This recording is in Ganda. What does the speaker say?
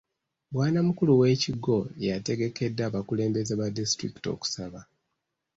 Bwanamukulu w'ekigo yategekedde abakulembeze ba disitulikiti okusaba.